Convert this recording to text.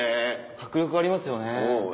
迫力ありますよね。